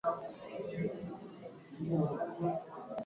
uchumi na polepole pia jeshi Wakati wa karne ya kumi na tisa